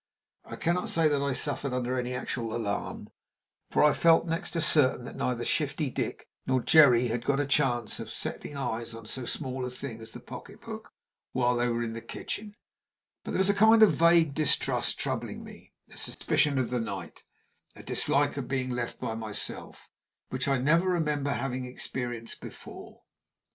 I cannot say that I suffered under any actual alarm, for I felt next to certain that neither Shifty Dick nor Jerry had got a chance of setting eyes on so small a thing as the pocketbook while they were in the kitchen; but there was a kind of vague distrust troubling me a suspicion of the night a dislike of being left by myself, which I never remember having experienced before.